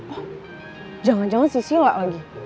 wah jangan jangan si sila lagi